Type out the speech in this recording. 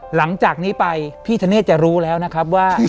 หลังจากนี้ไปพี่ธเนธจะรู้แล้วนะครับว่า